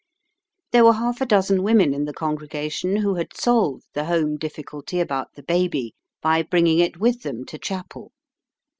There were half a dozen women in the congregation who had solved the home difficulty about the baby by bringing it with them to chapel.